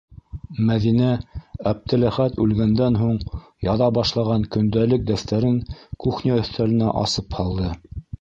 Мәҙинә Әптеләхәт үлгәндән һуң яҙа башлаған көндәлек-дәфтәрен кухня өҫтәленә асып һалды.